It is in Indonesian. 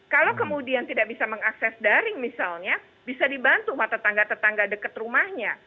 kalau kemudian tidak bisa mengakses daring misalnya bisa dibantu oleh tetangga tetangga dekat rumahnya